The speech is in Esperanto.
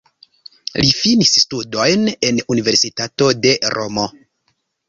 Li finis studojn en universitato de Romo.